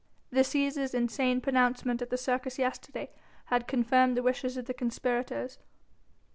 The Cæsar's insane pronouncement in the Circus yesterday had confirmed the wishes of the conspirators.